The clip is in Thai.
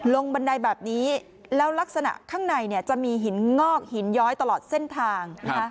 บันไดแบบนี้แล้วลักษณะข้างในจะมีหินงอกหินย้อยตลอดเส้นทาง